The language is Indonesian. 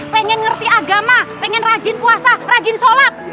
pengen ngerti agama pengen rajin puasa rajin sholat